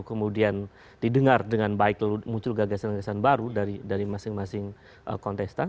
kemudian didengar dengan baik lalu muncul gagasan gagasan baru dari masing masing kontestan